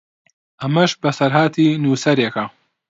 ئەمەش بەسەرهاتی نووسەرێکە